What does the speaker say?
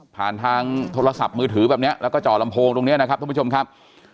ทางโทรศัพท์มือถือแบบนี้แล้วก็จ่อลำโพงตรงนี้นะครับท่านผู้ชมครับ